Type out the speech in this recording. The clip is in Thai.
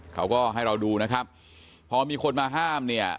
เขาก็ให้เราดูนะครับพอมีคนมาห้ามเนี่ย